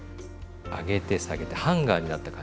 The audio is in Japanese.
上げて下げてハンガーになった感じね。